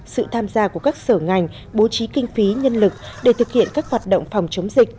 sự tham gia của các sở ngành bố trí kinh phí nhân lực để thực hiện các hoạt động phòng chống dịch